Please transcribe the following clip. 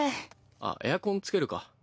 あっエアコンつけるか。